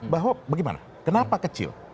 bahwa bagaimana kenapa kecil